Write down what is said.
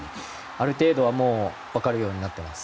ある程度は、もう分かるようになってます。